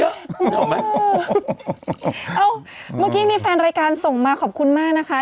เอ้าเมื่อกี้มีแฟนรายการส่งมาขอบคุณมากนะคะ